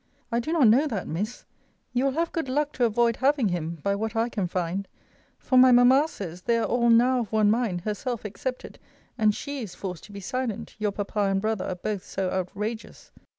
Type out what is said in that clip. I do not know that, Miss: you will have good luck to avoid having him, by what I can find; for my mamma says, they are all now of one mind, herself excepted; and she is forced to be silent, your papa and brother are both so outrageous.